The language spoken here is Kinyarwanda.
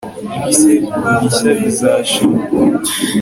ibisekuru bishya bizashingwa